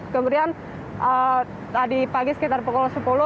kemudian tadi pagi sekitar pukul sepuluh